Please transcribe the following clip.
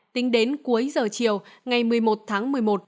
tính đến cuối giờ chiều ngày một mươi một tháng một mươi một